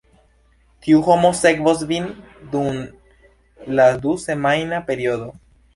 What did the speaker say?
Tiu homo sekvos vin dum la du-semajna periodo.